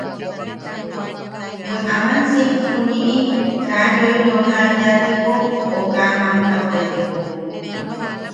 Bwe aman siik juniʼi kaa yoi nooka teateko o kaa mammatteteko.